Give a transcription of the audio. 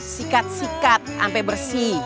sikat sikat sampai bersih